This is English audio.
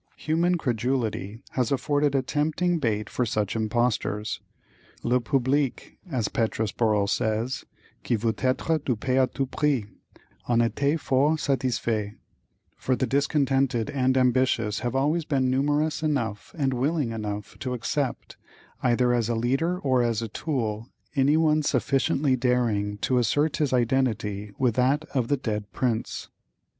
Human credulity has afforded a tempting bait for such impostors: le public, as Petrus Borel says, qui veut être dupé à tous prix, en était fort satisfait, for the discontented and ambitious have always been numerous enough and willing enough to accept, either as a leader or as a tool, any one sufficiently daring to assert his identity with that of the dead prince.